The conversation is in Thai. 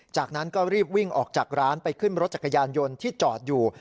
จากนั้นก็รีบวิ่งออกจากร้านไปขึ้นรถจักรยานยนต์ที่จอดอยู่